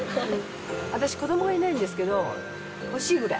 私、子どもがいないんですけど、欲しいくらい。